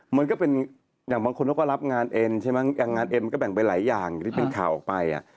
มันก็เป็นอย่างบางคนเขาก็รับงานเอ็นใช่ไหมอย่างงานเอ็นมันก็แบ่งไปหลายอย่างที่เป็นข่าวออกไป